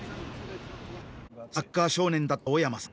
サッカー少年だった小山さん。